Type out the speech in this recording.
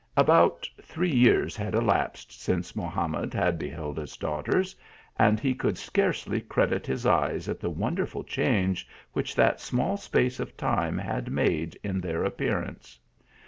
About three years had elapsed since Mohamed had beheld his daughters, and he could scarcely credit his eyes at the wonderful change which that small space of time had made in their appearance.